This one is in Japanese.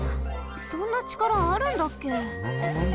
そんなちからあるんだっけ？